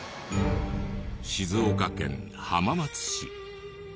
静岡県浜松市。